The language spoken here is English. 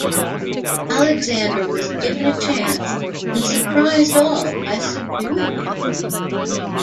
Alexander was given a chance and surprised all by subduing it.